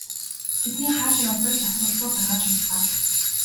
Тэдний хааш явахыг ч асуулгүй гаргаж хаяцгаав.